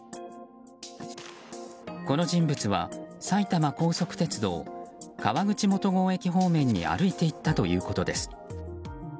この人物は埼玉高速鉄道川口元郷駅方面に歩いて行ったということです。